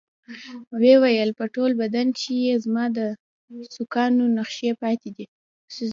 ويې ويل په ټول بدن کښې يې زما د سوکانو نخښې پاتې دي.